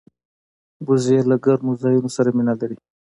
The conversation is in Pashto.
وزې له ګرمو ځایونو سره مینه لري